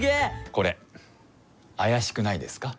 これあやしくないですか？